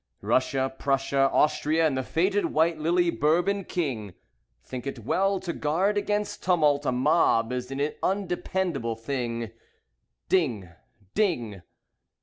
Russia, Prussia, Austria, and the faded white lily Bourbon king Think it well To guard against tumult, A mob is an undependable thing. Ding! Ding!